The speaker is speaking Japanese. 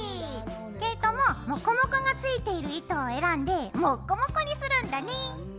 毛糸もモコモコがついている糸を選んでもっこもこにするんだね。